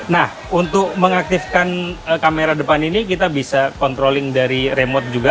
nah untuk mengaktifkan kamera depan ini kita bisa controlling dari remote juga